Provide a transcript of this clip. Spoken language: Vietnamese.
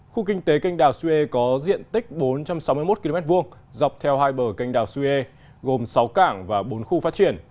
khu kinh tế kinh đào suyê có diện tích bốn trăm sáu mươi một km hai dọc theo hai bờ kinh đào suyê gồm sáu cảng và bốn khu phát triển